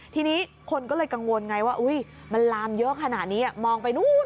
ทีนี้คนก็เลยกังวลไงว่ามันลามเยอะขนาดนี้มองไปนู้น